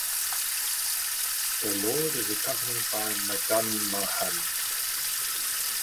The Lord is accompanied by Madanmohan.